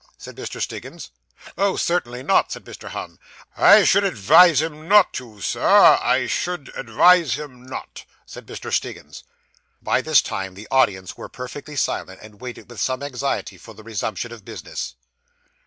said Mr. Stiggins. 'Oh, certainly not,' said Mr. Humm. 'I should advise him not to, Sir; I should advise him not,' said Mr. Stiggins. By this time the audience were perfectly silent, and waited with some anxiety for the resumption of business.